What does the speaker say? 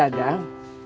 gak ada gang